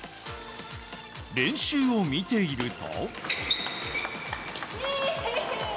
練習を見ていると。